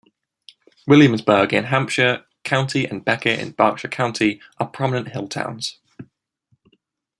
Williamsburg in Hampshire County and Becket in Berkshire County are prominent Hilltowns.